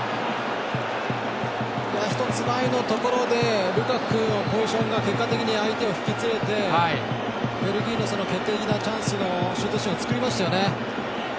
一つ前のところでルカクのポジションが結果的に相手を引き連れてベルギーの決定的なチャンスのシュートシーンを作りましたよね。